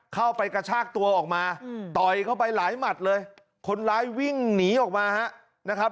กระชากตัวออกมาต่อยเข้าไปหลายหมัดเลยคนร้ายวิ่งหนีออกมาฮะนะครับ